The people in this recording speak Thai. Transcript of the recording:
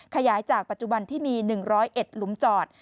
ขยายจากปัจจุบันที่มี๑๐๑หลุมจอด